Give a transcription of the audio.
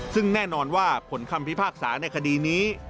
ซึ่งแน่นอนว่าผลคำพิพากษาในคดีนี้